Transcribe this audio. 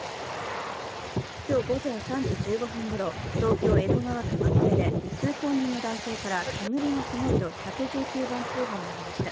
今日午前３時１５分ごろ、東京・江戸川区松江で通行人の男性から、煙がすごいと１１９番通報がありました。